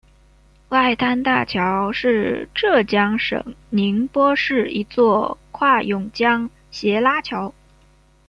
外滩大桥是浙江省宁波市一座跨甬江斜拉桥。